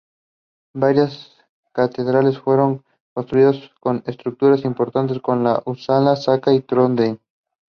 No major changes were made to route.